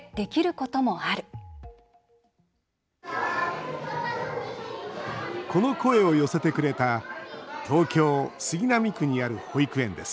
この声を寄せてくれた東京・杉並区にある保育園です